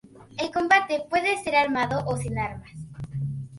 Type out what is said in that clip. El combate puede ser armado o sin armas.